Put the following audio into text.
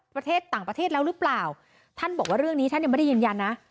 ประเทศต่างประเทศแล้วหรือเปล่าท่านบอกว่าเรื่องนี้ท่านยังไม่ได้ยืนยันนะ